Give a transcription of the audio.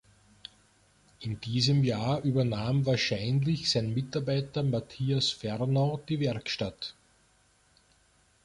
In diesem Jahr übernahm wahrscheinlich sein Mitarbeiter Matthias Fernau die Werkstatt.